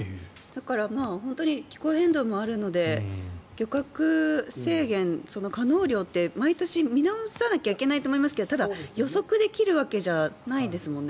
だから気候変動もあるので漁獲制限、可能量って毎年、見直さなきゃいけないと思いますがただ、予測できるわけじゃないですもんね。